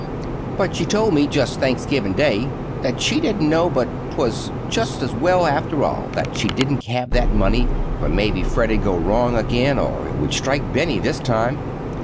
But she told me just Thanksgiving Day that she didn't know but 'twas just as well, after all, that they didn't have the money, for maybe Fred'd go wrong again, or it would strike Benny this time.